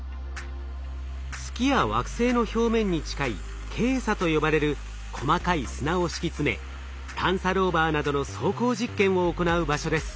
月や惑星の表面に近いケイ砂と呼ばれる細かい砂を敷き詰め探査ローバーなどの走行実験を行う場所です。